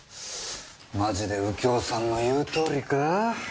マジで右京さんの言うとおりか？